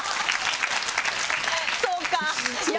そうか。